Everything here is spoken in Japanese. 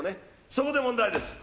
そこで問題です。